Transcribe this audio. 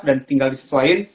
dan tinggal disesuaikan